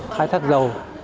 khai thác dầu